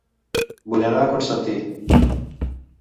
Vull anar a Constantí